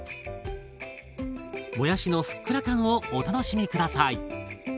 もやしのふっくら感をお楽しみ下さい。